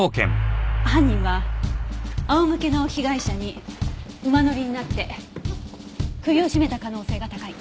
犯人は仰向けの被害者に馬乗りになって首を絞めた可能性が高い。